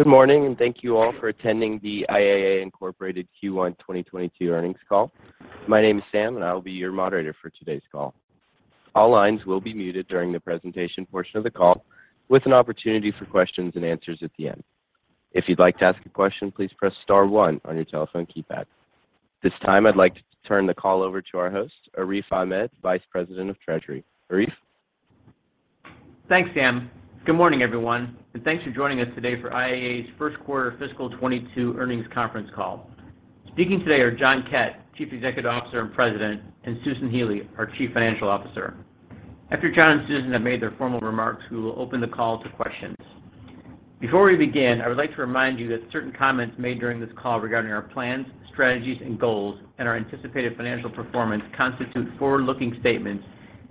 Good morning, and thank you all for attending the IAA, Inc. Q1 2022 earnings call. My name is Sam, and I will be your moderator for today's call. All lines will be muted during the presentation portion of the call with an opportunity for questions and answers at the end. If you'd like to ask a question, please press star one on your telephone keypad. This time, I'd like to turn the call over to our host, Arif Ahmed, Vice President of Treasury. Arif? Thanks, Sam. Good morning, everyone, and thanks for joining us today for IAA's first quarter fiscal 2022 earnings conference call. Speaking today are John Kett, Chief Executive Officer and President, and Susan Healy, our Chief Financial Officer. After John and Susan have made their formal remarks, we will open the call to questions. Before we begin, I would like to remind you that certain comments made during this call regarding our plans, strategies, and goals, and our anticipated financial performance constitute forward-looking statements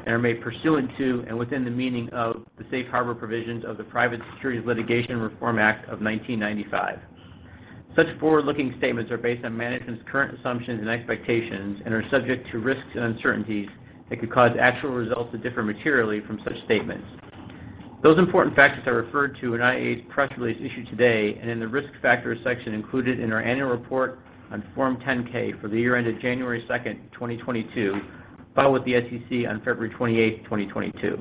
and are made pursuant to, and within the meaning of, the safe harbor provisions of the Private Securities Litigation Reform Act of 1995. Such forward-looking statements are based on management's current assumptions and expectations and are subject to risks and uncertainties that could cause actual results to differ materially from such statements. Those important factors are referred to in IAA's press release issued today and in the Risk Factors section included in our annual report on Form 10-K for the year ended January 2nd, 2022, filed with the SEC on February 28th, 2022.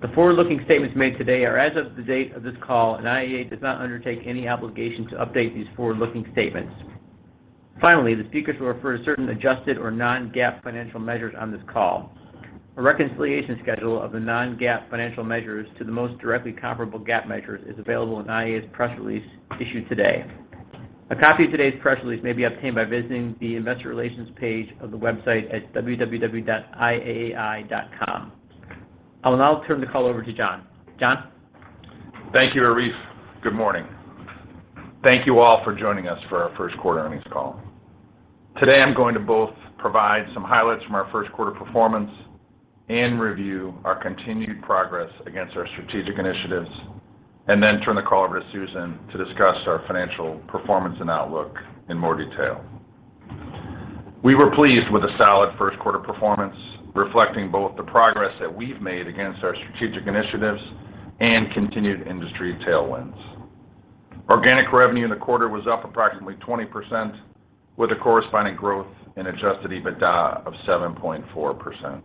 The forward-looking statements made today are as of the date of this call, and IAA does not undertake any obligation to update these forward-looking statements. Finally, the speakers will refer to certain adjusted or non-GAAP financial measures on this call. A reconciliation schedule of the non-GAAP financial measures to the most directly comparable GAAP measures is available in IAA's press release issued today. A copy of today's press release may be obtained by visiting the investor relations page of the website at www.iaai.com. I will now turn the call over to John. John? Thank you, Arif. Good morning. Thank you all for joining us for our first quarter earnings call. Today, I'm going to both provide some highlights from our first quarter performance and review our continued progress against our strategic initiatives and then turn the call over to Susan to discuss our financial performance and outlook in more detail. We were pleased with the solid first quarter performance, reflecting both the progress that we've made against our strategic initiatives and continued industry tailwinds. Organic revenue in the quarter was up approximately 20% with a corresponding growth in adjusted EBITDA of 7.4%.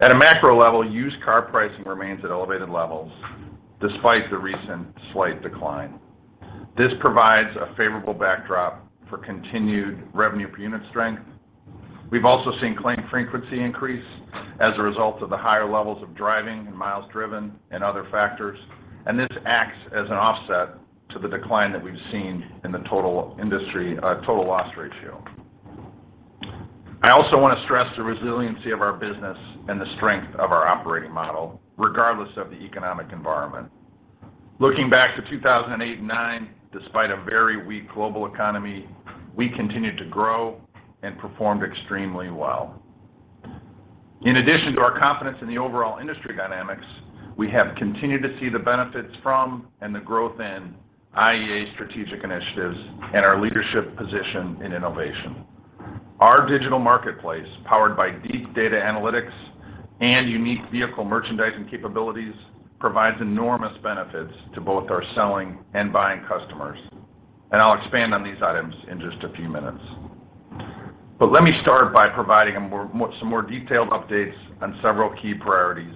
At a macro level, used car pricing remains at elevated levels despite the recent slight decline. This provides a favorable backdrop for continued revenue per unit strength. We've also seen claim frequency increase as a result of the higher levels of driving and miles driven and other factors, and this acts as an offset to the decline that we've seen in the total loss ratio. I also want to stress the resiliency of our business and the strength of our operating model, regardless of the economic environment. Looking back to 2008 and 2009, despite a very weak global economy, we continued to grow and performed extremely well. In addition to our confidence in the overall industry dynamics, we have continued to see the benefits from and the growth in IAA strategic initiatives and our leadership position in innovation. Our digital marketplace, powered by deep data analytics and unique vehicle merchandising capabilities, provides enormous benefits to both our selling and buying customers, and I'll expand on these items in just a few minutes. Let me start by providing some more detailed updates on several key priorities,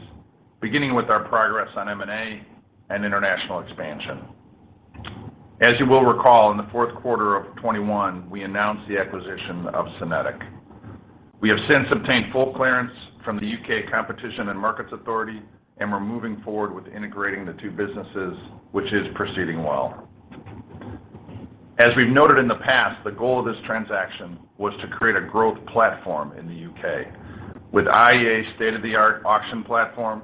beginning with our progress on M&A and international expansion. As you will recall, in the fourth quarter of 2021, we announced the acquisition of SYNETIQ. We have since obtained full clearance from the U.K. Competition and Markets Authority, and we're moving forward with integrating the two businesses, which is proceeding well. As we've noted in the past, the goal of this transaction was to create a growth platform in the U.K. with IAA's state-of-the-art auction platform,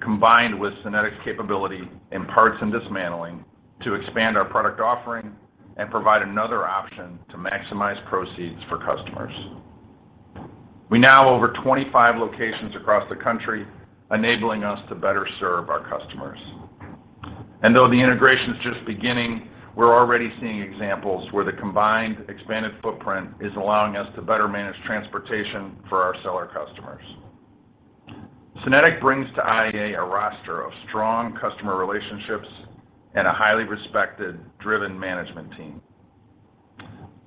combined with SYNETIQ's capability in parts and dismantling, to expand our product offering and provide another option to maximize proceeds for customers. We now over 25 locations across the country, enabling us to better serve our customers. Though the integration is just beginning, we're already seeing examples where the combined expanded footprint is allowing us to better manage transportation for our seller customers. SYNETIQ brings to IAA a roster of strong customer relationships and a highly respected, driven management team.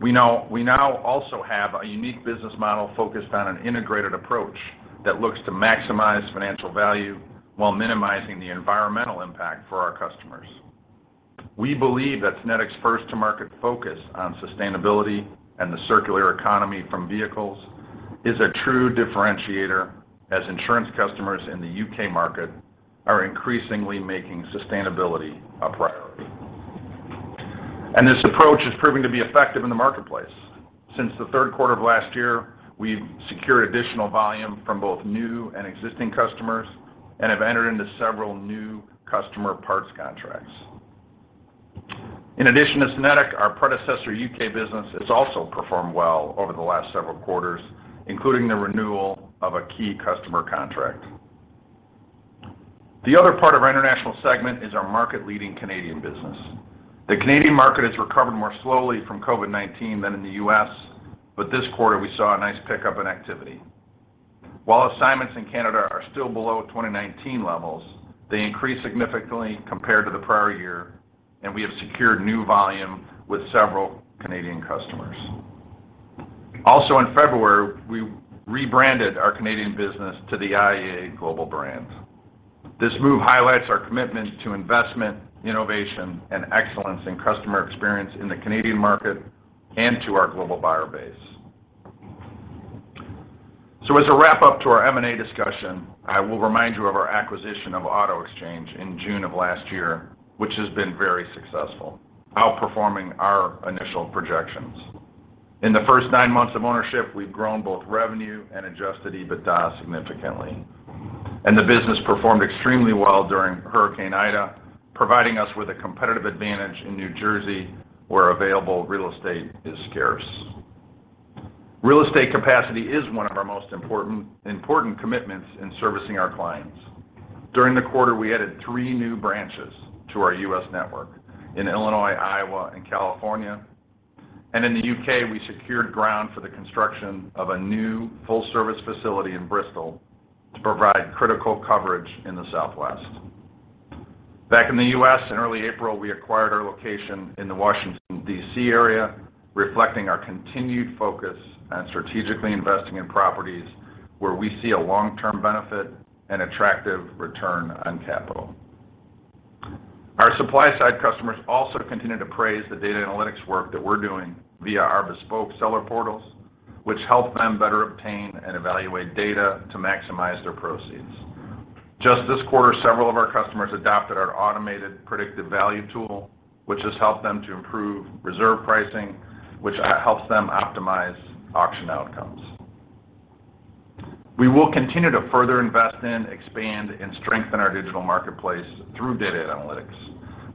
We now also have a unique business model focused on an integrated approach that looks to maximize financial value while minimizing the environmental impact for our customers. We believe that SYNETIQ's first-to-market focus on sustainability and the circular economy from vehicles is a true differentiator as insurance customers in the U.K. market are increasingly making sustainability a priority. This approach is proving to be effective in the marketplace. Since the third quarter of last year, we've secured additional volume from both new and existing customers and have entered into several new customer parts contracts. In addition to SYNETIQ, our predecessor U.K. business has also performed well over the last several quarters, including the renewal of a key customer contract. The other part of our international segment is our market-leading Canadian business. The Canadian market has recovered more slowly from COVID-19 than in the U.S., but this quarter, we saw a nice pickup in activity. While assignments in Canada are still below 2019 levels, they increased significantly compared to the prior year, and we have secured new volume with several Canadian customers. Also, in February, we rebranded our Canadian business to the IAA Global brand. This move highlights our commitment to investment, innovation, and excellence in customer experience in the Canadian market and to our global buyer base. As a wrap-up to our M&A discussion, I will remind you of our acquisition of Auto Exchange in June of last year, which has been very successful, outperforming our initial projections. In the first nine months of ownership, we've grown both revenue and adjusted EBITDA significantly. The business performed extremely well during Hurricane Ida, providing us with a competitive advantage in New Jersey, where available real estate is scarce. Real estate capacity is one of our most important commitments in servicing our clients. During the quarter, we added three new branches to our U.S. network in Illinois, Iowa, and California. In the U.K., we secured ground for the construction of a new full-service facility in Bristol to provide critical coverage in the southwest. Back in the U.S., in early April, we acquired our location in the Washington, D.C. area, reflecting our continued focus on strategically investing in properties where we see a long-term benefit and attractive return on capital. Our supply-side customers also continue to praise the data analytics work that we're doing via our bespoke seller portals, which help them better obtain and evaluate data to maximize their proceeds. Just this quarter, several of our customers adopted our automated predictive value tool, which has helped them to improve reserve pricing, which helps them optimize auction outcomes. We will continue to further invest in, expand, and strengthen our digital marketplace through data analytics.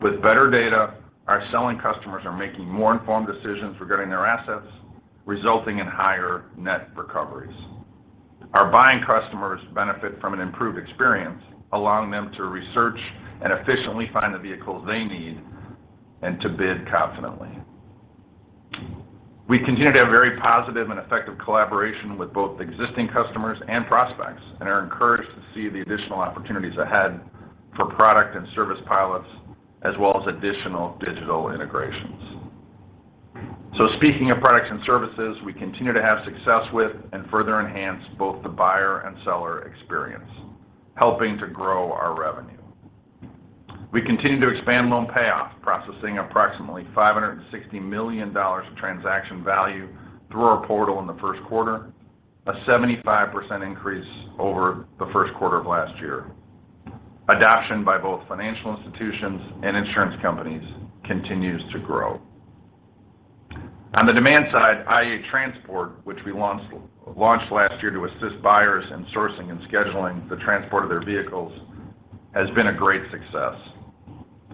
With better data, our selling customers are making more informed decisions regarding their assets, resulting in higher net recoveries. Our buying customers benefit from an improved experience, allowing them to research and efficiently find the vehicles they need and to bid confidently. We continue to have very positive and effective collaboration with both existing customers and prospects and are encouraged to see the additional opportunities ahead for product and service pilots, as well as additional digital integrations. Speaking of products and services, we continue to have success with and further enhance both the buyer and seller experience, helping to grow our revenue. We continue to expand loan payoff, processing approximately $560 million of transaction value through our portal in the first quarter, a 75% increase over the first quarter of last year. Adoption by both financial institutions and insurance companies continues to grow. On the demand side, IAA Transport, which we launched last year to assist buyers in sourcing and scheduling the transport of their vehicles, has been a great success.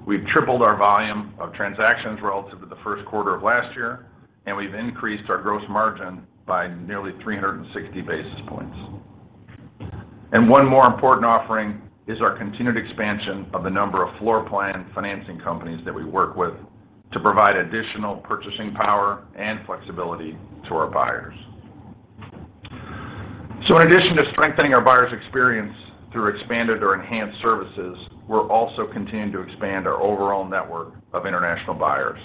We've tripled our volume of transactions relative to the first quarter of last year, and we've increased our gross margin by nearly 360 basis points. One more important offering is our continued expansion of the number of floorplan financing companies that we work with to provide additional purchasing power and flexibility to our buyers. In addition to strengthening our buyers' experience through expanded or enhanced services, we're also continuing to expand our overall network of international buyers,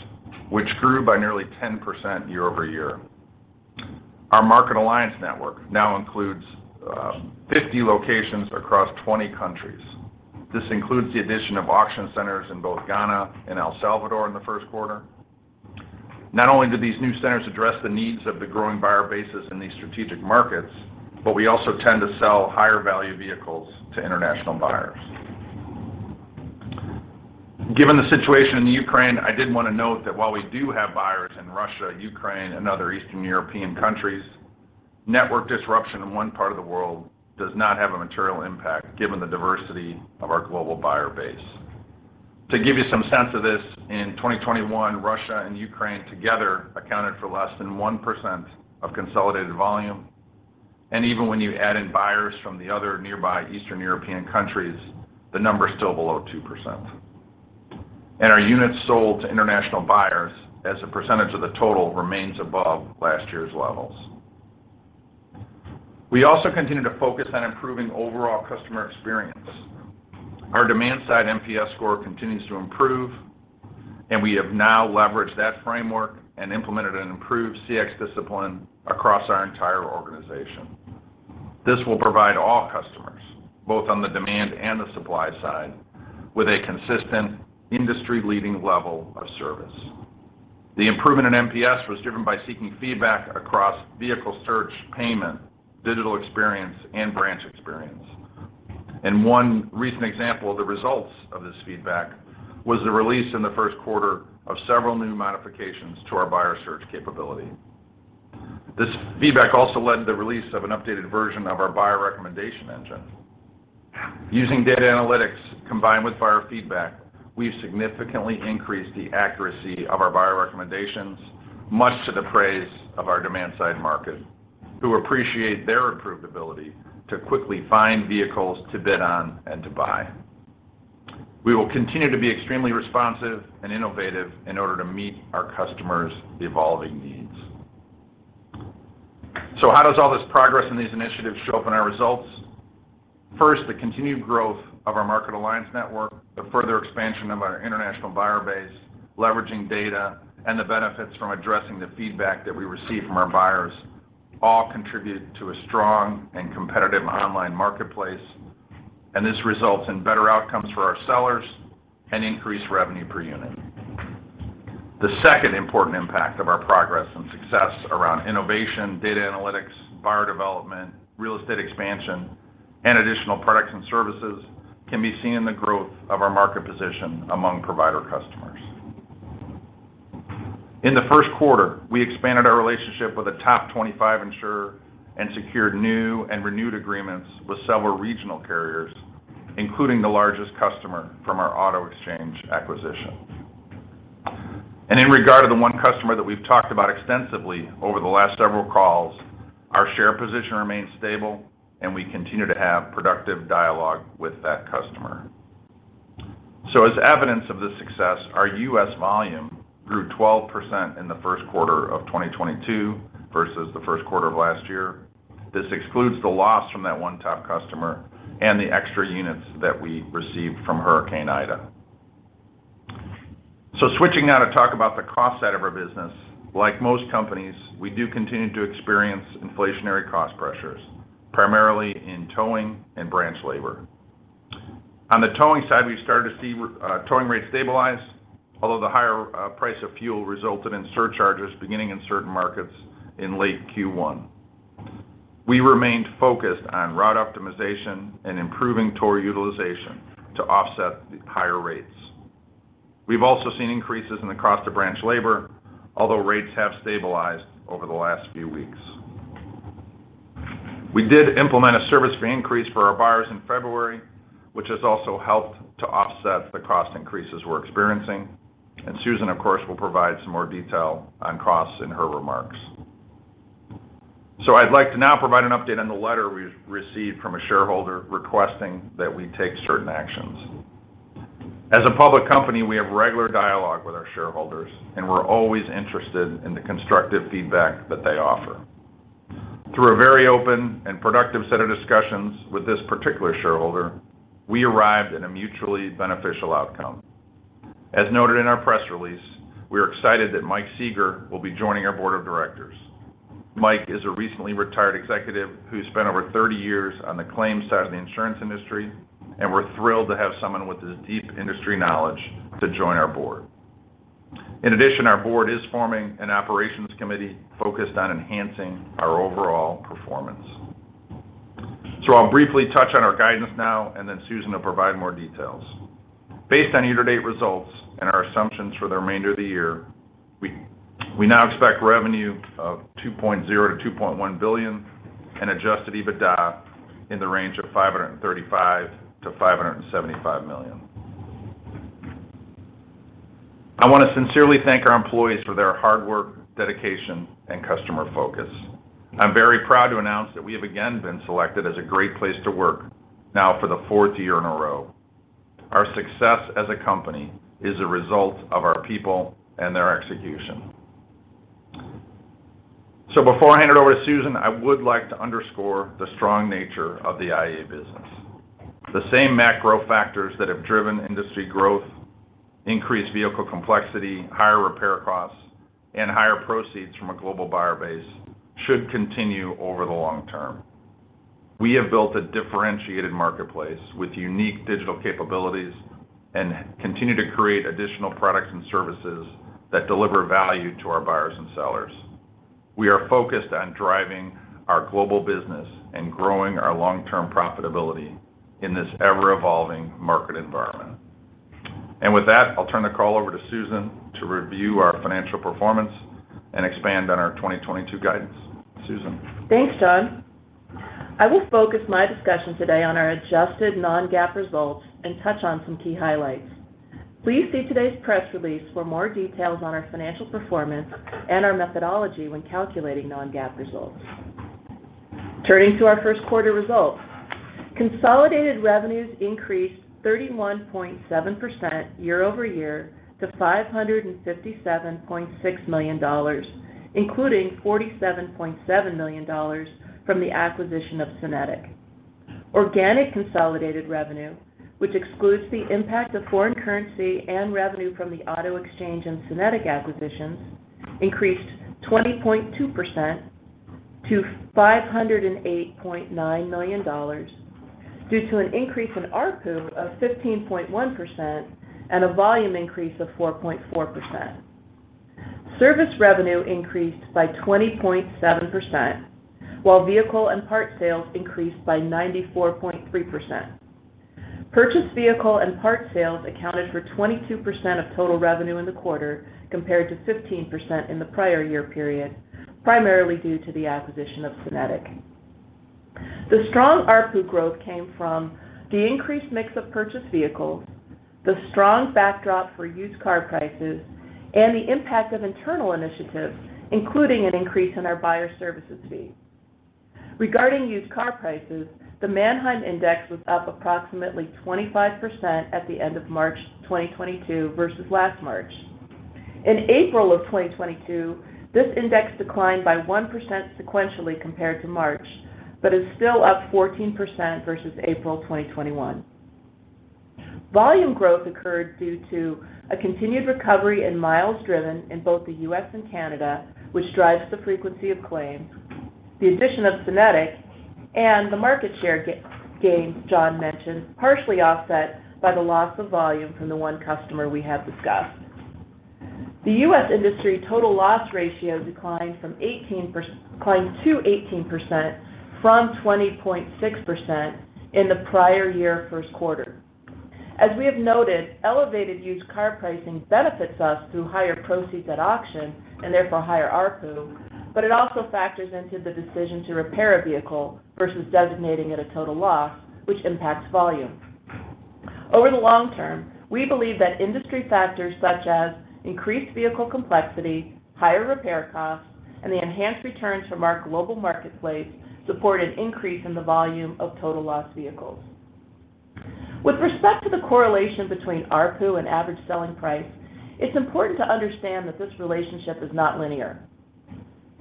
which grew by nearly 10% year-over-year. Our Market Alliance network now includes 50 locations across 20 countries. This includes the addition of auction centers in both Ghana and El Salvador in the first quarter. Not only do these new centers address the needs of the growing buyer bases in these strategic markets, but we also tend to sell higher-value vehicles to international buyers. Given the situation in the Ukraine, I did want to note that while we do have buyers in Russia, Ukraine, and other Eastern European countries, network disruption in one part of the world does not have a material impact given the diversity of our global buyer base. To give you some sense of this, in 2021, Russia and Ukraine together accounted for less than 1% of consolidated volume. Even when you add in buyers from the other nearby Eastern European countries, the number is still below 2%. Our units sold to international buyers as a percentage of the total remains above last year's levels. We also continue to focus on improving overall customer experience. Our demand-side NPS score continues to improve, and we have now leveraged that framework and implemented an improved CX discipline across our entire organization. This will provide all customers, both on the demand and the supply side, with a consistent industry-leading level of service. The improvement in NPS was driven by seeking feedback across vehicle search, payment, digital experience, and branch experience. One recent example of the results of this feedback was the release in the first quarter of several new modifications to our buyer search capability. This feedback also led to the release of an updated version of our buyer recommendation engine. Using data analytics combined with buyer feedback, we've significantly increased the accuracy of our buyer recommendations, much to the praise of our demand-side market, who appreciate their improved ability to quickly find vehicles to bid on and to buy. We will continue to be extremely responsive and innovative in order to meet our customers' evolving needs. How does all this progress in these initiatives show up in our results? First, the continued growth of our Market Alliance network, the further expansion of our international buyer base, leveraging data, and the benefits from addressing the feedback that we receive from our buyers all contribute to a strong and competitive online marketplace. This results in better outcomes for our sellers and increased revenue per unit. The second important impact of our progress and success around innovation, data analytics, buyer development, real estate expansion, and additional products and services can be seen in the growth of our market position among provider customers. In the first quarter, we expanded our relationship with a top 25 insurer and secured new and renewed agreements with several regional carriers, including the largest customer from our Auto Exchange acquisition. In regard to the one customer that we've talked about extensively over the last several calls, our share position remains stable, and we continue to have productive dialogue with that customer. As evidence of this success, our U.S. volume grew 12% in the first quarter of 2022 versus the first quarter of last year. This excludes the loss from that one top customer and the extra units that we received from Hurricane Ida. Switching now to talk about the cost side of our business. Like most companies, we do continue to experience inflationary cost pressures, primarily in towing and branch labor. On the towing side, we've started to see towing rates stabilize, although the higher price of fuel resulted in surcharges beginning in certain markets in late Q1. We remained focused on route optimization and improving tow utilization to offset the higher rates. We've also seen increases in the cost of branch labor, although rates have stabilized over the last few weeks. We did implement a service fee increase for our buyers in February, which has also helped to offset the cost increases we're experiencing. Susan, of course, will provide some more detail on costs in her remarks. I'd like to now provide an update on the letter we received from a shareholder requesting that we take certain actions. As a public company, we have regular dialogue with our shareholders, and we're always interested in the constructive feedback that they offer. Through a very open and productive set of discussions with this particular shareholder, we arrived at a mutually beneficial outcome. As noted in our press release, we are excited that Michael Sieger will be joining our board of directors. Mike is a recently retired executive who spent over 30 years on the claims side of the insurance industry, and we're thrilled to have someone with his deep industry knowledge to join our board. In addition, our board is forming an operations committee focused on enhancing our overall performance. I'll briefly touch on our guidance now, and then Susan will provide more details. Based on year-to-date results and our assumptions for the remainder of the year, we now expect revenue of $2.0 billion-$2.1 billion and adjusted EBITDA in the range of $535 million-$575 million. I wanna sincerely thank our employees for their hard work, dedication, and customer focus. I'm very proud to announce that we have again been selected as a Great Place to Work now for the fourth year in a row. Our success as a company is a result of our people and their execution. Before I hand it over to Susan, I would like to underscore the strong nature of the IAA business. The same macro factors that have driven industry growth, increased vehicle complexity, higher repair costs, and higher proceeds from a global buyer base should continue over the long term. We have built a differentiated marketplace with unique digital capabilities and continue to create additional products and services that deliver value to our buyers and sellers. We are focused on driving our global business and growing our long-term profitability in this ever-evolving market environment. With that, I'll turn the call over to Susan to review our financial performance and expand on our 2022 guidance. Susan? Thanks, John. I will focus my discussion today on our adjusted non-GAAP results and touch on some key highlights. Please see today's press release for more details on our financial performance and our methodology when calculating non-GAAP results. Turning to our first quarter results. Consolidated revenues increased 31.7% year over year to $557.6 million, including $47.7 million from the acquisition of SYNETIQ. Organic consolidated revenue, which excludes the impact of foreign currency and revenue from the Auto Exchange and SYNETIQ acquisitions, increased 20.2% to $508.9 million due to an increase in ARPU of 15.1% and a volume increase of 4.4%. Service revenue increased by 20.7%, while vehicle and part sales increased by 94.3%. Purchased vehicle and part sales accounted for 22% of total revenue in the quarter compared to 15% in the prior year period, primarily due to the acquisition of SYNETIQ. The strong ARPU growth came from the increased mix of purchased vehicles, the strong backdrop for used car prices, and the impact of internal initiatives, including an increase in our buyer services fee. Regarding used car prices, the Manheim Index was up approximately 25% at the end of March 2022 versus last March. In April 2022, this index declined by 1% sequentially compared to March, but is still up 14% versus April 2021. Volume growth occurred due to a continued recovery in miles driven in both the U.S. and Canada, which drives the frequency of claims, the addition of SYNETIQ, and the market share gains John mentioned, partially offset by the loss of volume from the one customer we have discussed. The U.S. industry total loss ratio declined to 18% from 20.6% in the prior year first quarter. As we have noted, elevated used car pricing benefits us through higher proceeds at auction and therefore higher ARPU, but it also factors into the decision to repair a vehicle versus designating it a total loss, which impacts volume. Over the long term, we believe that industry factors such as increased vehicle complexity, higher repair costs, and the enhanced returns from our global marketplace support an increase in the volume of total loss vehicles. With respect to the correlation between ARPU and average selling price, it's important to understand that this relationship is not linear.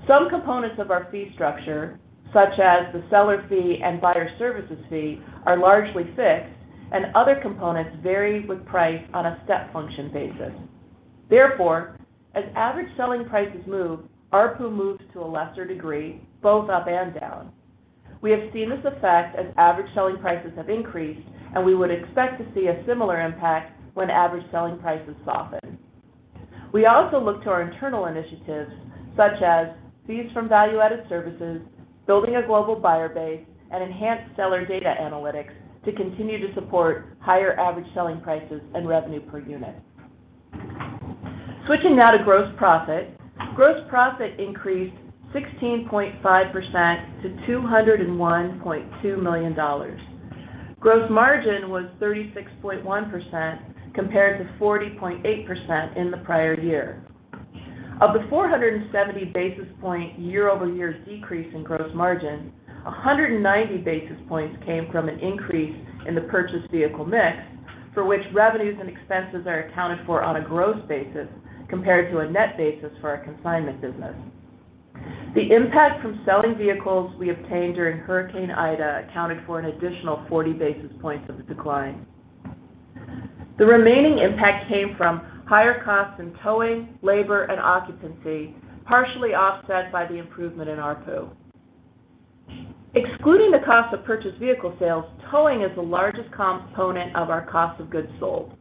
Some components of our fee structure, such as the seller fee and buyer services fee, are largely fixed, and other components vary with price on a step function basis. Therefore, as average selling prices move, ARPU moves to a lesser degree, both up and down. We have seen this effect as average selling prices have increased, and we would expect to see a similar impact when average selling prices soften. We also look to our internal initiatives, such as fees from value-added services, building a global buyer base, and enhanced seller data analytics to continue to support higher average selling prices and revenue per unit. Switching now to gross profit. Gross profit increased 16.5% to $201.2 million. Gross margin was 36.1% compared to 40.8% in the prior year. Of the 470 basis point year-over-year decrease in gross margin, 190 basis points came from an increase in the purchased vehicle mix, for which revenues and expenses are accounted for on a gross basis compared to a net basis for our consignment business. The impact from selling vehicles we obtained during Hurricane Ida accounted for an additional 40 basis points of the decline. The remaining impact came from higher costs in towing, labor, and occupancy, partially offset by the improvement in ARPU. Excluding the cost of purchased vehicle sales, towing is the largest component of our cost of goods sold.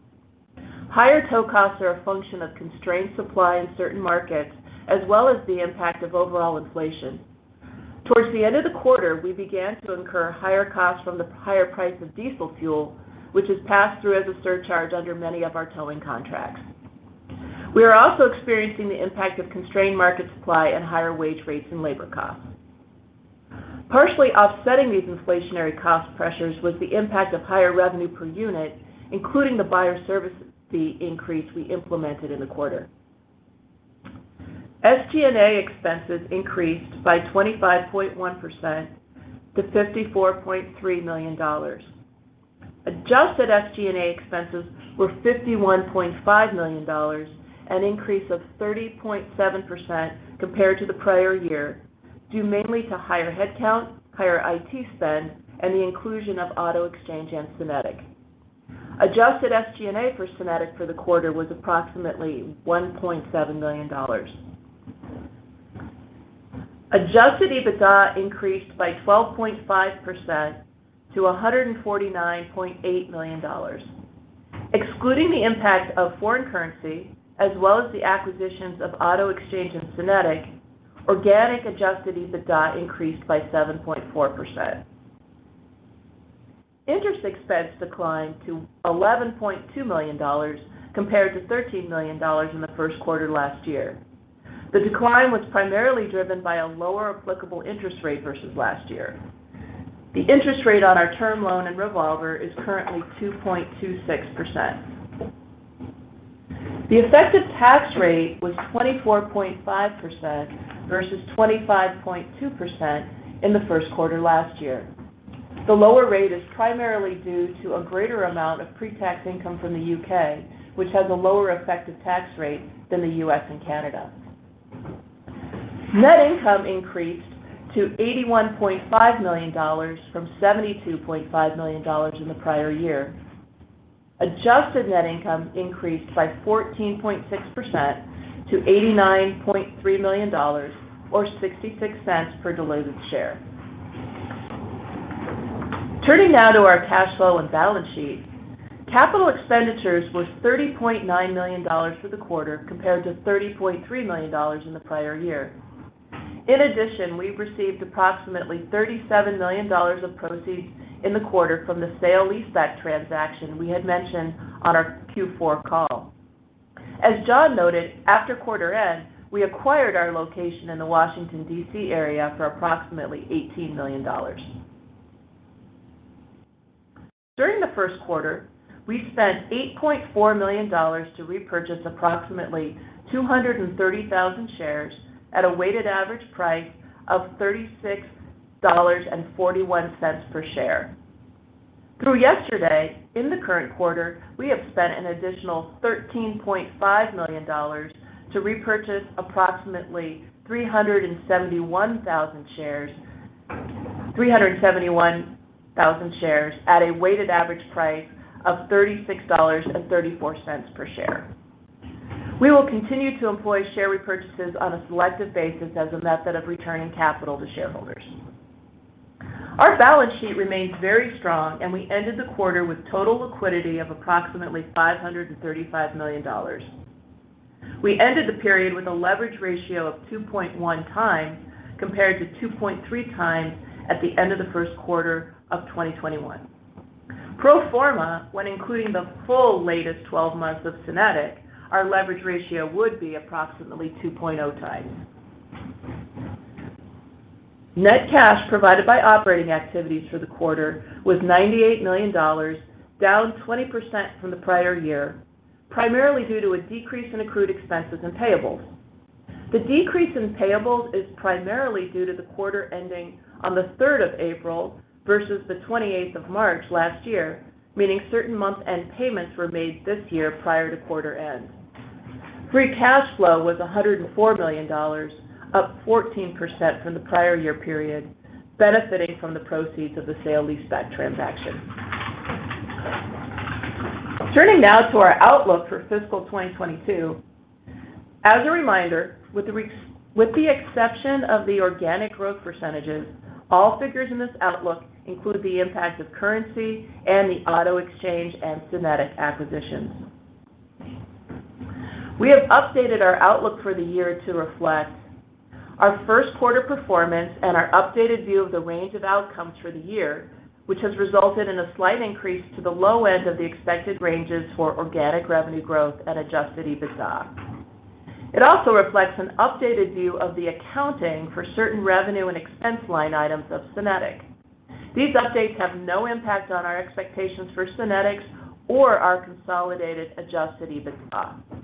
Higher tow costs are a function of constrained supply in certain markets, as well as the impact of overall inflation. Towards the end of the quarter, we began to incur higher costs from the higher price of diesel fuel, which is passed through as a surcharge under many of our towing contracts. We are also experiencing the impact of constrained market supply and higher wage rates and labor costs. Partially offsetting these inflationary cost pressures was the impact of higher revenue per unit, including the buyer services fee increase we implemented in the quarter. SG&A expenses increased by 25.1% to $54.3 million. Adjusted SG&A expenses were $51.5 million, an increase of 30.7% compared to the prior year, due mainly to higher headcount, higher IT spend, and the inclusion of Auto Exchange and SYNETIQ. Adjusted SG&A for SYNETIQ for the quarter was approximately $1.7 million. Adjusted EBITDA increased by 12.5% to $149.8 million. Excluding the impact of foreign currency, as well as the acquisitions of Auto Exchange and SYNETIQ, organic adjusted EBITDA increased by 7.4%. Interest expense declined to $11.2 million compared to $13 million in the first quarter last year. The decline was primarily driven by a lower applicable interest rate versus last year. The interest rate on our term loan and revolver is currently 2.26%. The effective tax rate was 24.5% versus 25.2% in the first quarter last year. The lower rate is primarily due to a greater amount of pre-tax income from the U.K., which has a lower effective tax rate than the U.S. and Canada. Net income increased to $81.5 million from $72.5 million in the prior year. Adjusted net income increased by 14.6% to $89.3 million or $0.66 per diluted share. Turning now to our cash flow and balance sheet. Capital expenditures were $30.9 million for the quarter, compared to $30.3 million in the prior year. In addition, we received approximately $37 million of proceeds in the quarter from the sale-leaseback transaction we had mentioned on our Q4 call. As John noted, after quarter end, we acquired our location in the Washington, D.C. area for approximately $18 million. During the first quarter, we spent $8.4 million to repurchase approximately 230,000 shares at a weighted average price of $36.41 per share. Through yesterday, in the current quarter, we have spent an additional $13.5 million to repurchase approximately 371,000 shares at a weighted average price of $36.34 per share. We will continue to employ share repurchases on a selective basis as a method of returning capital to shareholders. Our balance sheet remains very strong and we ended the quarter with total liquidity of approximately $535 million. We ended the period with a leverage ratio of 2.1x, compared to 2.3x at the end of the first quarter of 2021. Pro forma, when including the full latest 12 months of SYNETIQ, our leverage ratio would be approximately 2.0x. Net cash provided by operating activities for the quarter was $98 million, down 20% from the prior year, primarily due to a decrease in accrued expenses and payables. The decrease in payables is primarily due to the quarter ending on the 3rd of April versus the 28th of March last year, meaning certain month-end payments were made this year prior to quarter end. Free cash flow was $104 million, up 14% from the prior year period, benefiting from the proceeds of the sale-leaseback transaction. Turning now to our outlook for fiscal 2022. As a reminder, with the exception of the organic growth percentages, all figures in this outlook include the impact of currency and the Auto Exchange and SYNETIQ acquisitions. We have updated our outlook for the year to reflect our first quarter performance and our updated view of the range of outcomes for the year, which has resulted in a slight increase to the low end of the expected ranges for organic revenue growth and adjusted EBITDA. It also reflects an updated view of the accounting for certain revenue and expense line items of SYNETIQ. These updates have no impact on our expectations for SYNETIQ or our consolidated adjusted EBITDA.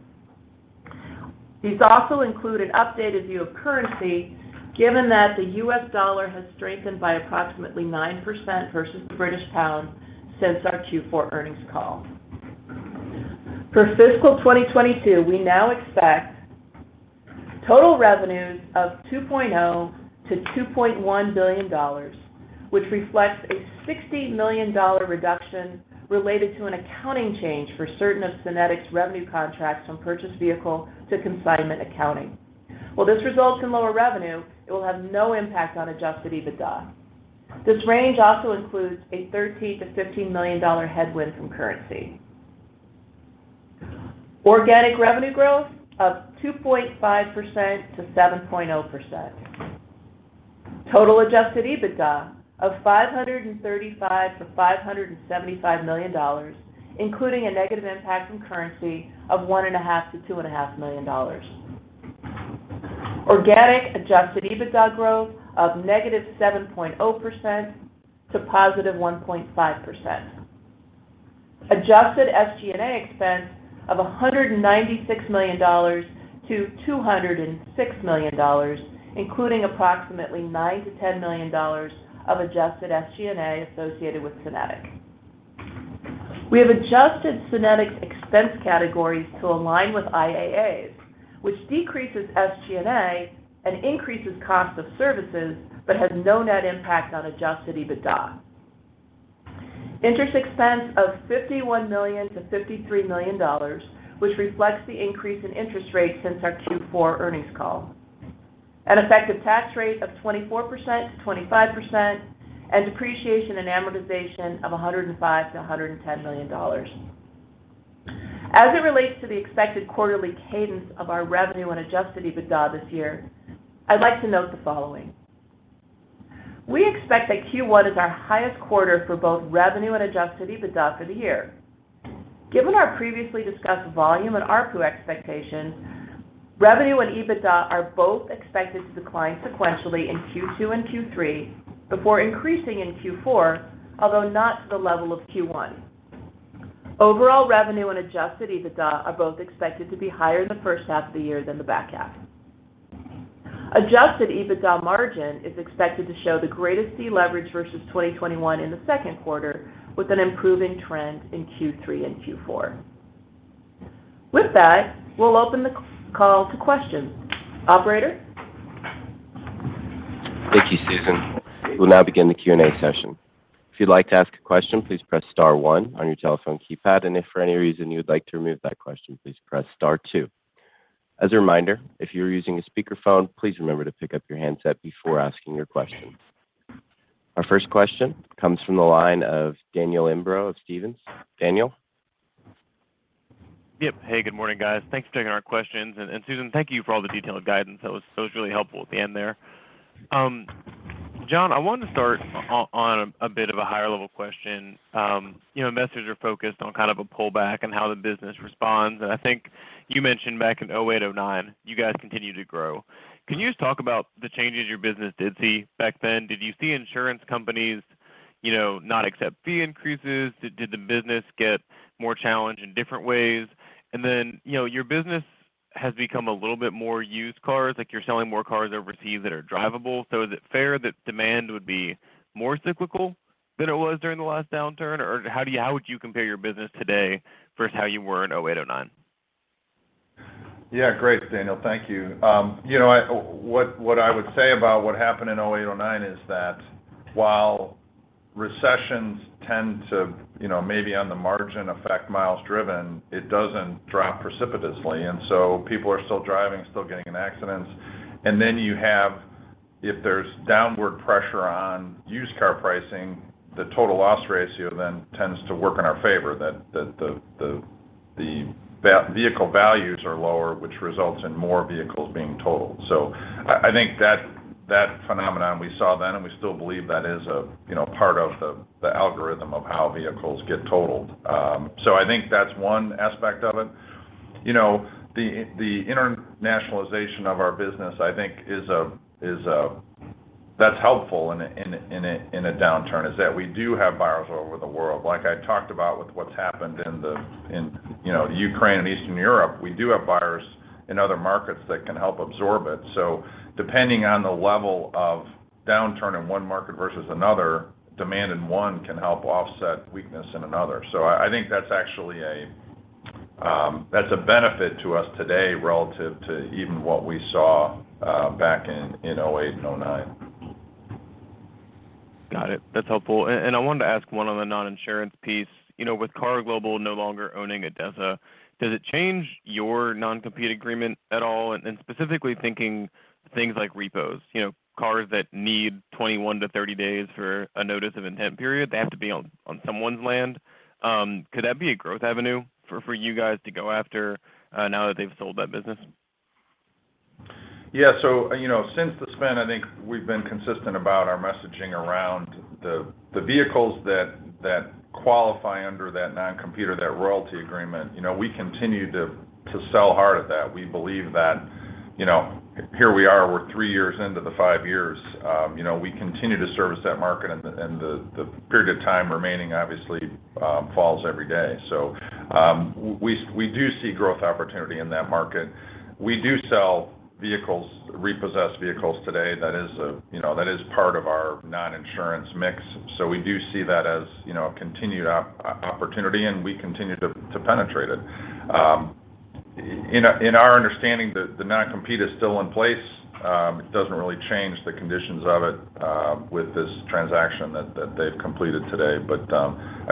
These also include an updated view of currency, given that the U.S. dollar has strengthened by approximately 9% versus the British pound since our Q4 earnings call. For fiscal 2022, we now expect total revenues of $2.0 billion-$2.1 billion, which reflects a $60 million reduction related to an accounting change for certain of SYNETIQ's revenue contracts from purchase vehicle to consignment accounting. While this results in lower revenue, it will have no impact on adjusted EBITDA. This range also includes a $13 million-$15 million headwind from currency. Organic revenue growth of 2.5%-7.0%. Total adjusted EBITDA of $535 million-$575 million, including a negative impact from currency of $1.5 million-$2.5 million. Organic adjusted EBITDA growth of -7.0% to +1.5%. Adjusted SG&A expense of $196 million-$206 million, including approximately $9 million-$10 million of adjusted SG&A associated with SYNETIQ. We have adjusted SYNETIQ's expense categories to align with IAA's, which decreases SG&A and increases cost of services, but has no net impact on adjusted EBITDA. Interest expense of $51 million-$53 million, which reflects the increase in interest rates since our Q4 earnings call. An effective tax rate of 24%-25%, and depreciation and amortization of $105 million-$110 million. As it relates to the expected quarterly cadence of our revenue and adjusted EBITDA this year, I'd like to note the following. We expect that Q1 is our highest quarter for both revenue and adjusted EBITDA for the year. Given our previously discussed volume and ARPU expectations, revenue and EBITDA are both expected to decline sequentially in Q2 and Q3 before increasing in Q4, although not to the level of Q1. Overall revenue and adjusted EBITDA are both expected to be higher in the first half of the year than the back half. Adjusted EBITDA margin is expected to show the greatest deleverage versus 2021 in the second quarter, with an improving trend in Q3 and Q4. With that, we'll open the call to questions. Operator? Thank you, Susan. We'll now begin the Q&A session. If you'd like to ask a question, please press star one on your telephone keypad, and if for any reason you would like to remove that question, please press star two. As a reminder, if you are using a speakerphone, please remember to pick up your handset before asking your question. Our first question comes from the line of Daniel Imbro of Stephens. Daniel? Yep. Hey, good morning, guys. Thanks for taking our questions. Susan, thank you for all the detailed guidance. That was really helpful at the end there. John, I wanted to start on a bit of a higher level question. You know, investors are focused on kind of a pullback and how the business responds, and I think you mentioned back in 2008, 2009, you guys continued to grow. Can you just talk about the changes your business did see back then? Did you see insurance companies, you know, not accept fee increases? Did the business get more challenged in different ways? And then, you know, your business has become a little bit more used cars, like you're selling more cars overseas that are drivable. So is it fair that demand would be more cyclical than it was during the last downturn? Or how would you compare your business today versus how you were in 2008, 2009? Yeah, great, Daniel. Thank you. You know, what I would say about what happened in 2008, 2009 is that while recessions tend to, you know, maybe on the margin affect miles driven, it doesn't drop precipitously. People are still driving, still getting in accidents. You have, if there's downward pressure on used car pricing, the total loss ratio then tends to work in our favor, that the vehicle values are lower, which results in more vehicles being totaled. I think that phenomenon we saw then, and we still believe that is a, you know, part of the algorithm of how vehicles get totaled. I think that's one aspect of it. You know, the internationalization of our business I think that's helpful in a downturn in that we do have buyers all over the world. Like I talked about with what's happened in you know, Ukraine and Eastern Europe, we do have buyers in other markets that can help absorb it. Depending on the level of downturn in one market versus another, demand in one can help offset weakness in another. I think that's actually a benefit to us today relative to even what we saw back in 2008 and 2009. Got it. That's helpful. I wanted to ask one on the non-insurance piece. You know, with KAR Global no longer owning ADESA, does it change your non-compete agreement at all? Specifically thinking things like repos, you know, cars that need 21-30 days for a notice of intent period, they have to be on someone's land. Could that be a growth avenue for you guys to go after now that they've sold that business? Yeah. You know, since the spin, I think we've been consistent about our messaging around the vehicles that qualify under that non-compete or that royalty agreement. You know, we continue to sell hard at that. We believe that, you know, here we are, we're three years into the five years, you know, we continue to service that market, and the period of time remaining obviously falls every day. We do see growth opportunity in that market. We do sell vehicles, repossessed vehicles today. That is, you know, that is part of our non-insurance mix, so we do see that as, you know, a continued opportunity, and we continue to penetrate it. In our understanding, the non-compete is still in place. It doesn't really change the conditions of it with this transaction that they've completed today.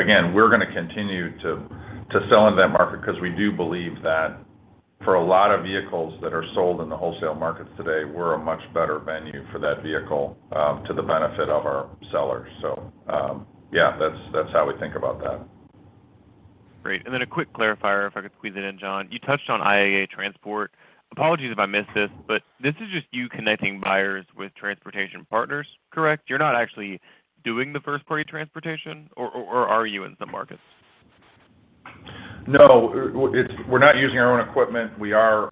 Again, we're gonna continue to sell in that market 'cause we do believe that for a lot of vehicles that are sold in the wholesale markets today, we're a much better venue for that vehicle to the benefit of our sellers. Yeah, that's how we think about that. Great. A quick clarifier, if I could squeeze it in, John. You touched on IAA Transport. Apologies if I missed this, but this is just you connecting buyers with transportation partners, correct? You're not actually doing the first party transportation or are you in some markets? No. We're not using our own equipment. We are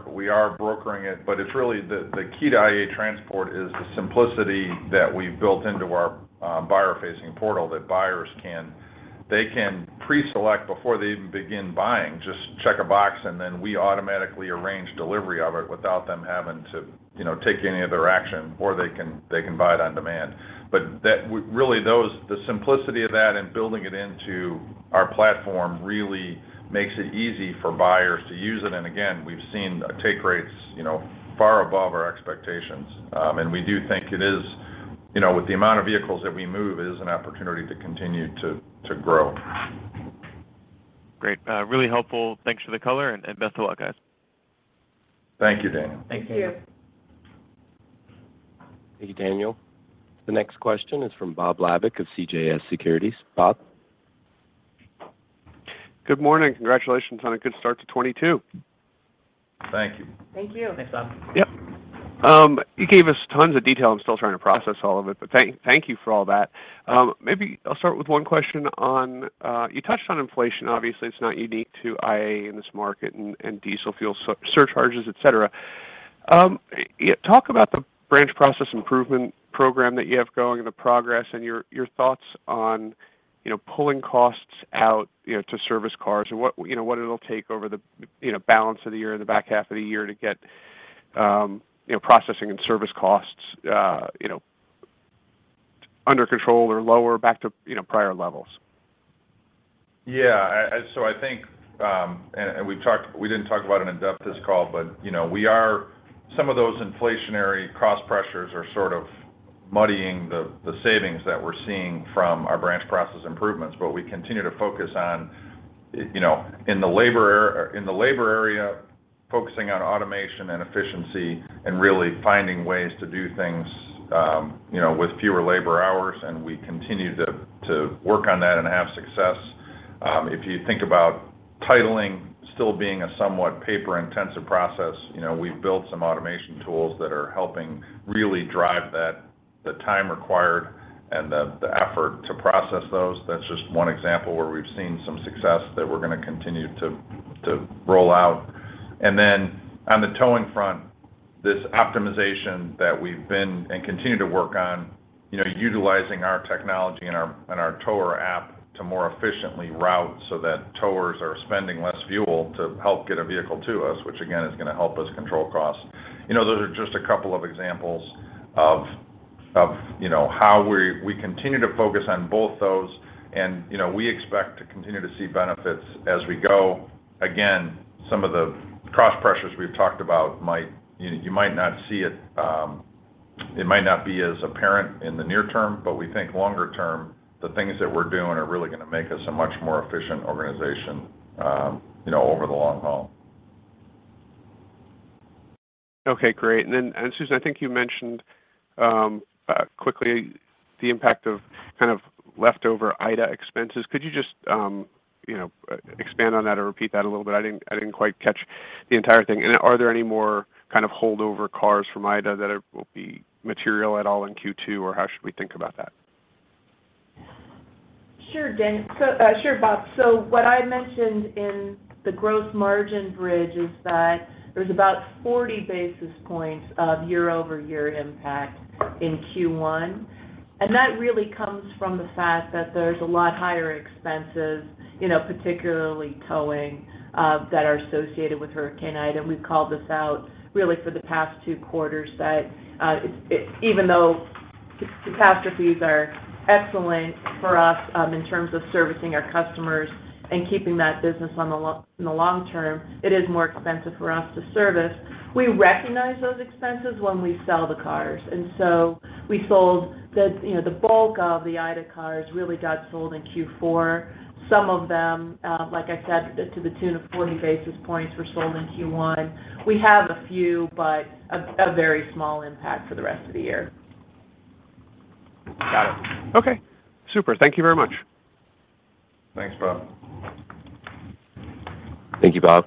brokering it, but it's really the key to IAA Transport is the simplicity that we've built into our buyer-facing portal that buyers can pre-select before they even begin buying. Just check a box, and then we automatically arrange delivery of it without them having to, you know, take any other action, or they can buy it on demand. But really, that's the simplicity of that and building it into our platform really makes it easy for buyers to use it. Again, we've seen take rates, you know, far above our expectations. We do think it is, you know, with the amount of vehicles that we move, it is an opportunity to continue to grow. Great. Really helpful. Thanks for the color and best of luck, guys. Thank you, Daniel. Thank you. Thank you. Thank you, Daniel. The next question is from Bob Labick of CJS Securities. Bob? Good morning. Congratulations on a good start to 2022. Thank you. Thank you. Thanks, Bob. Yep. You gave us tons of detail. I'm still trying to process all of it, but thank you for all that. Maybe I'll start with one question on you touched on inflation. Obviously, it's not unique to IAA in this market and diesel fuel surcharges, et cetera. Talk about the branch process improvement program that you have going and the progress and your thoughts on, you know, pulling costs out, you know, to service cars and what, you know, what it'll take over the you know, balance of the year or the back half of the year to get, you know, processing and service costs, you know, under control or lower back to, you know, prior levels. I think we didn't talk about it in depth this call, but you know, some of those inflationary cost pressures are sort of muddying the savings that we're seeing from our branch process improvements. We continue to focus on, you know, in the labor area, focusing on automation and efficiency and really finding ways to do things, you know, with fewer labor hours, and we continue to work on that and have success. If you think about titling still being a somewhat paper-intensive process, you know, we've built some automation tools that are helping really drive that, the time required and the effort to process those. That's just one example where we've seen some success that we're gonna continue to roll out. On the towing front, this optimization that we've been and continue to work on, you know, utilizing our technology and our tow app to more efficiently route so that towers are spending less fuel to help get a vehicle to us, which again is gonna help us control costs. You know, those are just a couple of examples of, you know, how we continue to focus on both those. You know, we expect to continue to see benefits as we go. Again, some of the cost pressures we've talked about might you might not see it. It might not be as apparent in the near term, but we think longer term, the things that we're doing are really gonna make us a much more efficient organization, you know, over the long haul. Okay, great. Susan, I think you mentioned quickly the impact of kind of leftover Ida expenses. Could you just you know expand on that or repeat that a little bit? I didn't quite catch the entire thing. Are there any more kind of holdover cars from Ida that will be material at all in Q2, or how should we think about that? Sure, Dan. Sure, Bob. What I mentioned in the gross margin bridge is that there's about 40 basis points of year-over-year impact in Q1, and that really comes from the fact that there's a lot higher expenses, you know, particularly towing, that are associated with Hurricane Ida. We've called this out really for the past two quarters, that it even though catastrophes are excellent for us, in terms of servicing our customers and keeping that business in the long term, it is more expensive for us to service. We recognize those expenses when we sell the cars, and so we sold the, you know, the bulk of the Ida cars really got sold in Q4. Some of them, like I said, to the tune of 40 basis points were sold in Q1. We have a few, but a very small impact for the rest of the year. Got it. Okay. Super. Thank you very much. Thanks, Bob. Thank you, Bob.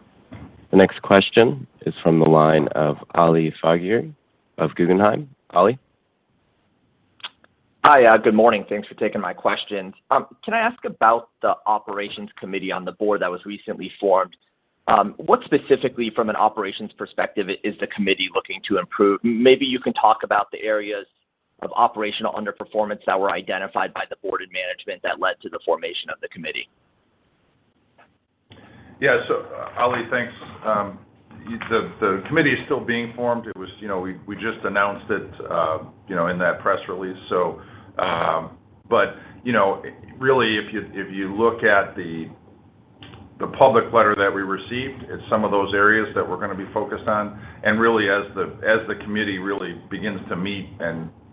The next question is from the line of Ali Faghri of Guggenheim. Ali? Hi. Good morning. Thanks for taking my questions. Can I ask about the operations committee on the board that was recently formed? What specifically from an operations perspective is the committee looking to improve? Maybe you can talk about the areas of operational underperformance that were identified by the board and management that led to the formation of the committee. Ali, thanks. The committee is still being formed. It was, you know, we just announced it, you know, in that press release. You know, really, if you look at the public letter that we received, it's some of those areas that we're gonna be focused on. Really, as the committee really begins to meet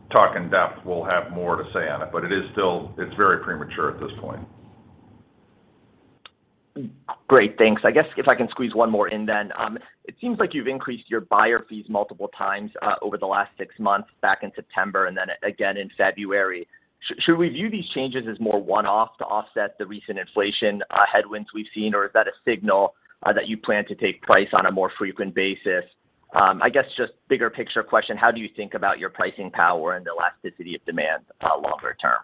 and talk in depth, we'll have more to say on it. It is still very premature at this point. Great. Thanks. I guess if I can squeeze one more in then. It seems like you've increased your buyer fees multiple times over the last six months, back in September and then again in February. Should we view these changes as more one-off to offset the recent inflation headwinds we've seen, or is that a signal that you plan to take price on a more frequent basis? I guess just bigger picture question, how do you think about your pricing power and elasticity of demand longer term?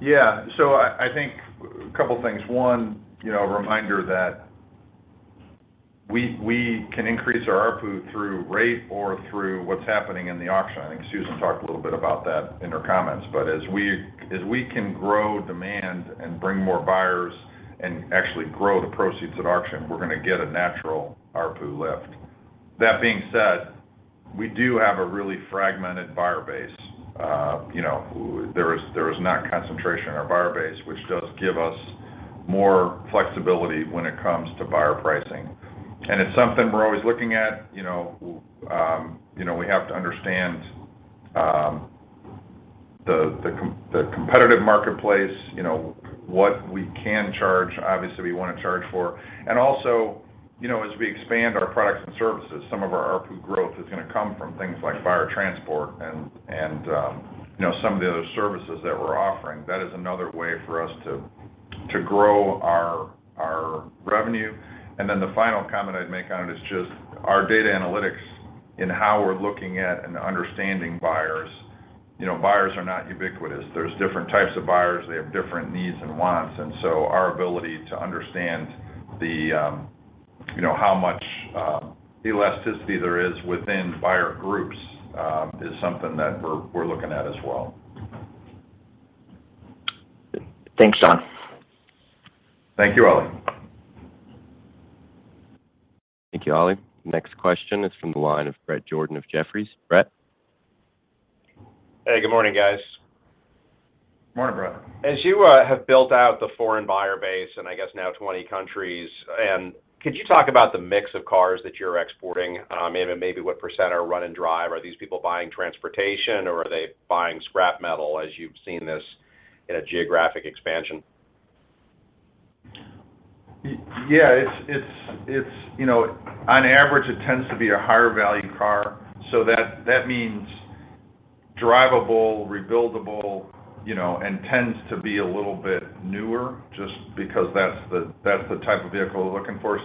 Yeah. I think a couple things. One, you know, a reminder that we can increase our ARPU through rate or through what's happening in the auction. I think Susan talked a little bit about that in her comments. As we can grow demand and bring more buyers and actually grow the proceeds at auction, we're gonna get a natural ARPU lift. That being said, we do have a really fragmented buyer base. You know, there is not concentration in our buyer base, which does give us more flexibility when it comes to buyer pricing. It's something we're always looking at. You know, we have to understand the competitive marketplace, you know, what we can charge, obviously, we wanna charge for. Also, you know, as we expand our products and services, some of our ARPU growth is gonna come from things like buyer transport and you know, some of the other services that we're offering. That is another way for us to grow our revenue. Then the final comment I'd make on it is just our data analytics in how we're looking at and understanding buyers. You know, buyers are not ubiquitous. There's different types of buyers. They have different needs and wants. Our ability to understand the you know, how much elasticity there is within buyer groups is something that we're looking at as well. Thanks, John. Thank you, Ali. Thank you, Ali. Next question is from the line of Bret Jordan of Jefferies. Bret? Hey, good morning, guys. Morning, Bret. As you have built out the foreign buyer base and I guess now 20 countries, and could you talk about the mix of cars that you're exporting, and maybe what percent are run and drive? Are these people buying transportation or are they buying scrap metal as you've seen this in a geographic expansion? Yeah, it's you know, on average, it tends to be a higher value car. That means drivable, rebuildable, you know, and tends to be a little bit newer, just because that's the type of vehicle they're looking for.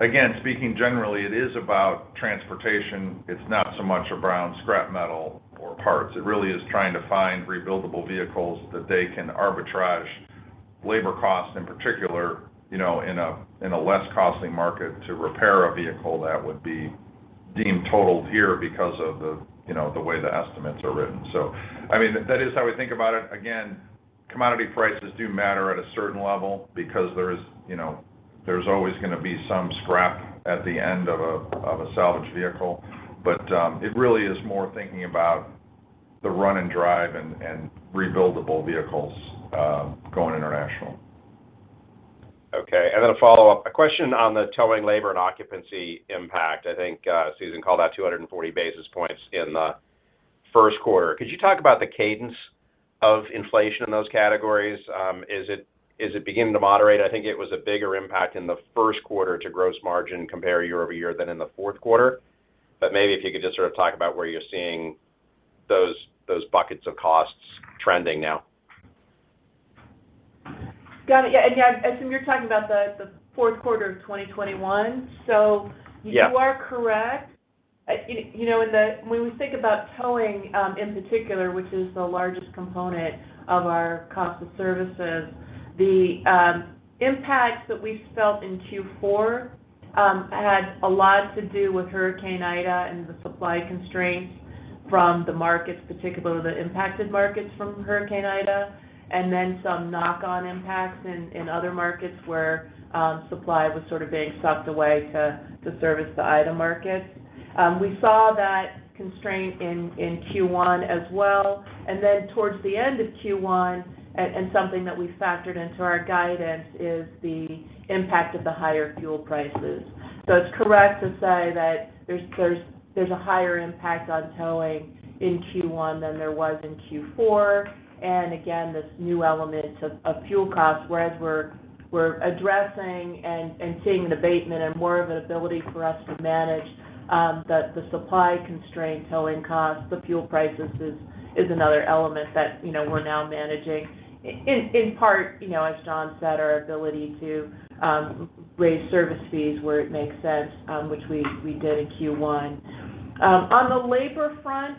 Again, speaking generally, it is about transportation. It's not so much around scrap metal or parts. It really is trying to find rebuildable vehicles that they can arbitrage labor costs, in particular, you know, in a less costly market to repair a vehicle that would be deemed totaled here because of the you know the way the estimates are written. I mean, that is how we think about it. Again, commodity prices do matter at a certain level because there is you know there's always gonna be some scrap at the end of a salvaged vehicle. It really is more thinking about the run and drive and rebuildable vehicles, going international. Okay. Then a follow-up. A question on the towing labor and occupancy impact. I think Susan called out 240 basis points in the first quarter. Could you talk about the cadence of inflation in those categories? Is it beginning to moderate? I think it was a bigger impact in the first quarter to gross margin compare year-over-year than in the fourth quarter. Maybe if you could just sort of talk about where you're seeing those buckets of costs trending now. Got it. Yeah. Yeah, I assume you're talking about the fourth quarter of 2021. Yeah You are correct. You know, when we think about towing, in particular, which is the largest component of our cost of services, impacts that we felt in Q4 had a lot to do with Hurricane Ida and the supply constraints from the markets, particularly the impacted markets from Hurricane Ida, and then some knock-on impacts in other markets where supply was sort of being sucked away to service the Ida markets. We saw that constraint in Q1 as well. Towards the end of Q1, and something that we factored into our guidance, is the impact of the higher fuel prices. It's correct to say that there's a higher impact on towing in Q1 than there was in Q4, and again, this new element of fuel costs. Whereas we're addressing and seeing an abatement and more of an ability for us to manage the supply constraint, towing costs. The fuel prices is another element that, you know, we're now managing. In part, you know, as John said, our ability to raise service fees where it makes sense, which we did in Q1. On the labor front,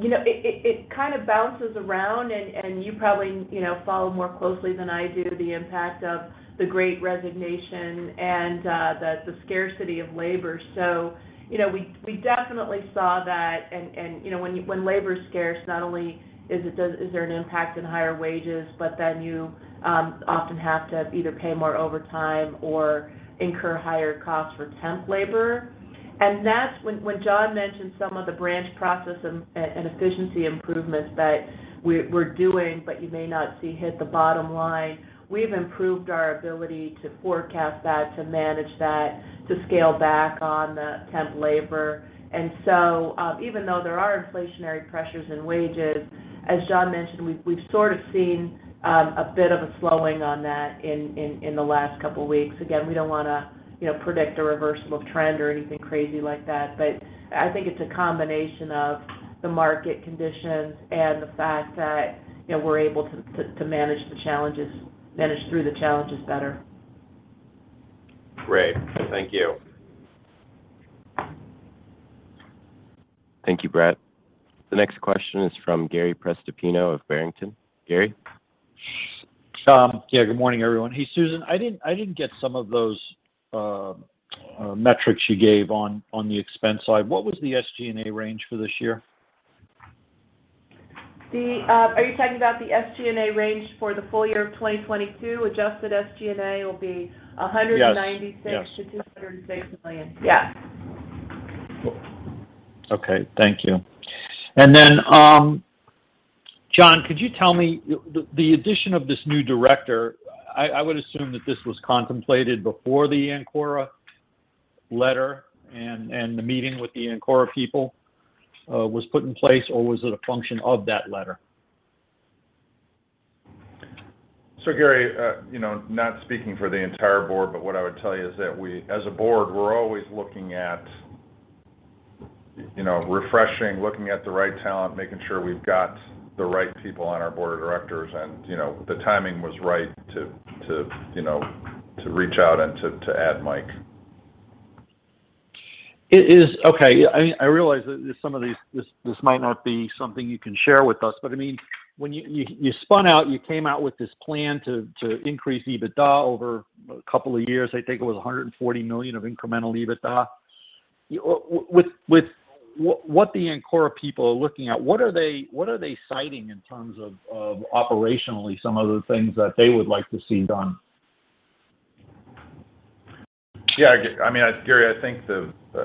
you know, it kind of bounces around and you probably, you know, follow more closely than I do the impact of the Great Resignation and the scarcity of labor. You know, we definitely saw that and, you know, when labor is scarce, not only is there an impact in higher wages, but then you often have to either pay more overtime or incur higher costs for temp labor. That's when John mentioned some of the branch process and efficiency improvements that we're doing, but you may not see it hit the bottom line. We've improved our ability to forecast that, to manage that, to scale back on the temp labor. Even though there are inflationary pressures in wages, as John mentioned, we've sort of seen a bit of a slowing on that in the last couple weeks. Again, we don't wanna, you know, predict a reversible trend or anything crazy like that. I think it's a combination of the market conditions and the fact that, you know, we're able to manage through the challenges better. Great. Thank you. Thank you, Brett. The next question is from Gary Prestopino of Barrington. Gary? Yeah, good morning, everyone. Hey, Susan, I didn't get some of those metrics you gave on the expense side. What was the SG&A range for this year? Are you talking about the SG&A range for the full year of 2022? Adjusted SG&A will be- Yes. Yes $196 million-$206 million. Yeah. Cool. Okay. Thank you. John, could you tell me the addition of this new director? I would assume that this was contemplated before the Ancora letter and the meeting with the Ancora people was put in place, or was it a function of that letter? Gary, you know, not speaking for the entire board, but what I would tell you is that we, as a board, we're always looking at you know refreshing, looking at the right talent, making sure we've got the right people on our board of directors. You know, the timing was right to you know to reach out and to add Mike. It is. Okay. I realize that some of these this might not be something you can share with us. I mean, when you spun out, you came out with this plan to increase EBITDA over a couple of years. I think it was $100 million of incremental EBITDA. With what the Ancora people are looking at, what are they citing in terms of operationally some of the things that they would like to see done? Yeah. I mean, Gary, I think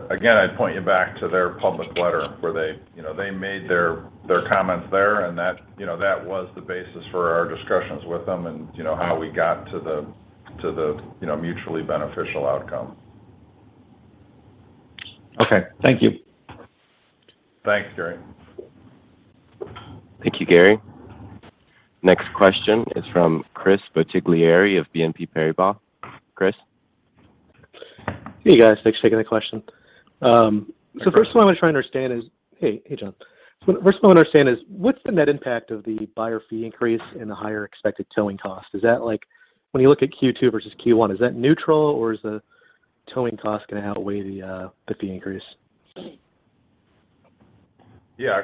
again, I'd point you back to their public letter where they, you know, they made their comments there, and that, you know, that was the basis for our discussions with them and, you know, how we got to the mutually beneficial outcome. Okay. Thank you. Thanks, Gary. Thank you, Gary. Next question is from Chris Bottiglieri of BNP Paribas. Chris? Hey, guys. Thanks for taking the question. Hey, hey, John. First what I wanna understand is what's the net impact of the buyer fee increase and the higher expected towing cost? Is that like, when you look at Q2 versus Q1, is that neutral or is the towing cost gonna outweigh the fee increase? Yeah.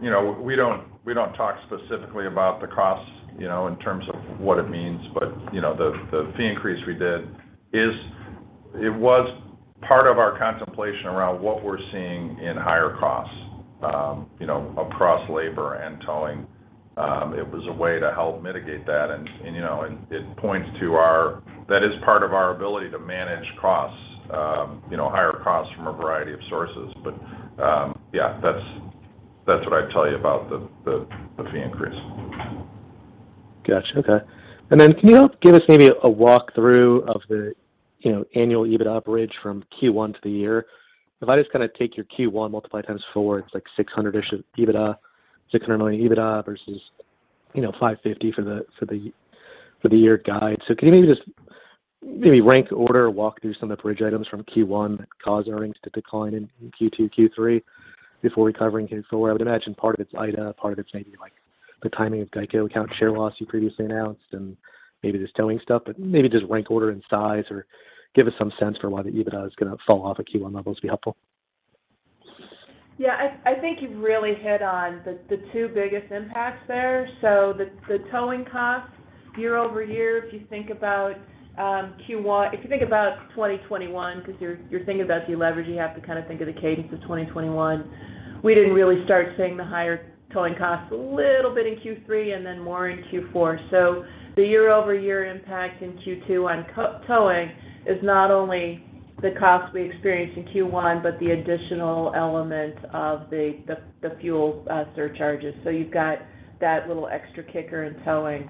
You know, we don't talk specifically about the costs, you know, in terms of what it means. You know, the fee increase we did. It was part of our contemplation around what we're seeing in higher costs, you know, across labor and towing. It was a way to help mitigate that and, you know, it points to our ability to manage higher costs from a variety of sources. Yeah, that's what I'd tell you about the fee increase. Gotcha. Okay. Can you help give us maybe a walk through of the, you know, annual EBITDA bridge from Q1 to the year? If I just kinda take your Q1 multiplied times four, it's like 600-ish EBITDA, $600 million EBITDA versus, you know, $550 for the year guide. Can you maybe rank order, walk through some of the bridge items from Q1 that caused earnings to decline in Q2, Q3 before recovering Q4? I would imagine part of it's Ida, part of it's maybe like the timing of GEICO account share loss you previously announced and maybe this towing stuff. Maybe just rank order and size or give us some sense for why the EBITDA is gonna fall off at Q1 levels would be helpful. Yeah. I think you've really hit on the two biggest impacts there. The towing costs year-over-year, if you think about Q1. If you think about 2021, 'cause you're thinking about the leverage, you have to kinda think of the cadence of 2021. We didn't really start seeing the higher towing costs a little bit in Q3 and then more in Q4. The year-over-year impact in Q2 on towing is not only the cost we experienced in Q1, but the additional element of the fuel surcharges. You've got that little extra kicker in towing.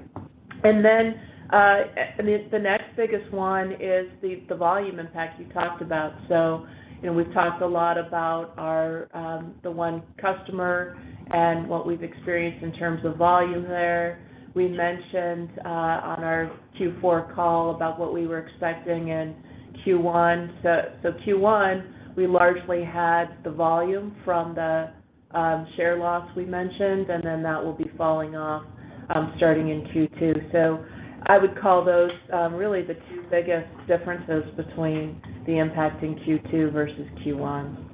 It's the next biggest one is the volume impact you talked about. You know, we've talked a lot about our the one customer and what we've experienced in terms of volume there. We mentioned on our Q4 call about what we were expecting in Q1. Q1, we largely had the volume from the share loss we mentioned, and then that will be falling off starting in Q2. I would call those really the two biggest differences between the impact in Q2 versus Q1.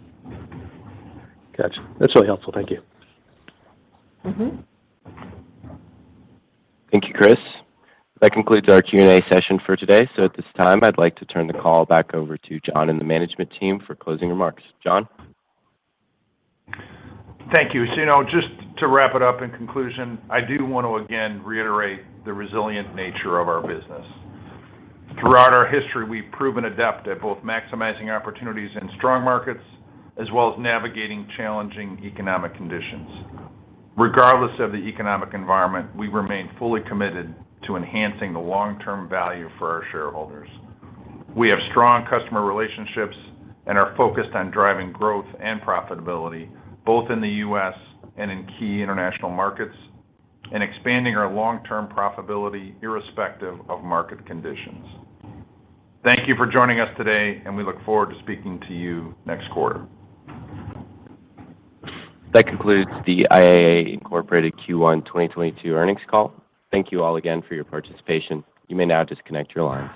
Gotcha. That's really helpful. Thank you. Mm-hmm. Thank you, Chris. That concludes our Q&A session for today. At this time, I'd like to turn the call back over to John and the management team for closing remarks. John? Thank you. You know, just to wrap it up in conclusion, I do want to again reiterate the resilient nature of our business. Throughout our history, we've proven adept at both maximizing opportunities in strong markets as well as navigating challenging economic conditions. Regardless of the economic environment, we remain fully committed to enhancing the long-term value for our shareholders. We have strong customer relationships and are focused on driving growth and profitability both in the U.S. and in key international markets, and expanding our long-term profitability irrespective of market conditions. Thank you for joining us today, and we look forward to speaking to you next quarter. That concludes the IAA, Inc. Q1 2022 earnings call. Thank you all again for your participation. You may now disconnect your lines.